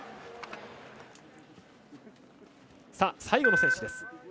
最後の選手です。